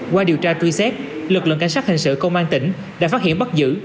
qua điều tra truy xét lực lượng cảnh sát hành xử công an tỉnh đã phát hiện bắt giữ